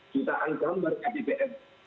citaan gambar ktpl